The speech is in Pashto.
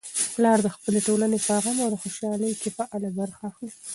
پلار د خپلې ټولنې په غم او خوشالۍ کي فعاله برخه اخلي.